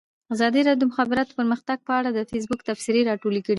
ازادي راډیو د د مخابراتو پرمختګ په اړه د فیسبوک تبصرې راټولې کړي.